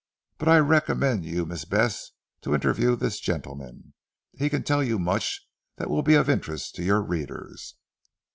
"But I recommend you Miss Bess, to interview this gentleman. He can tell you much that will be of interest to your readers."